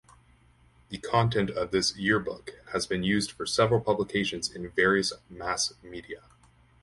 The content of this year-book has been used for several publications in various mass-media.